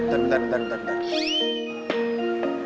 bentar bentar bentar